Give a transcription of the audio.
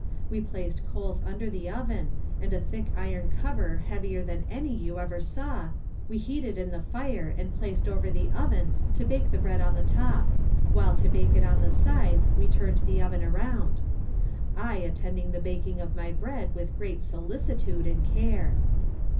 We placed coals under the oven and a thick iron cover heavier than any you ever saw, we heated in the fire and placed over the oven to bake the bread on the top, while to bake it on the sides we turned the oven around. I attending the baking of my bread with great solicitude and care.